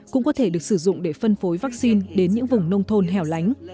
cũng có thể được sử dụng để phân phối vắc xin đến những vùng nông thôn hẻo lánh